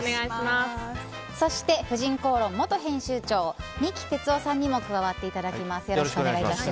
そして「婦人公論」元編集長三木哲男さんにも加わっていただきます。